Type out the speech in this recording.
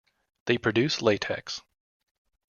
They produce latex.